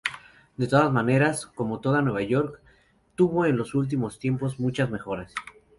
De todas maneras, como toda Nueva York, tuvo en los últimos tiempos muchas mejoras.